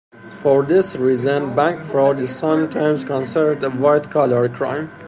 For this reason, bank fraud is sometimes considered a white-collar crime.